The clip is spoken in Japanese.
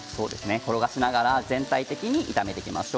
転がしながら全体的に炒めていきましょう。